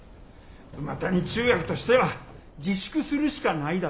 梅谷中学としては自粛するしかないだろ。